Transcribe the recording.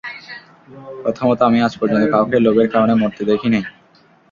প্রথমত, আমি আজ পর্যন্ত কাউকে, লোভের কারণে মরতে, দেখি নাই।